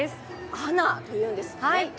アナというんですね。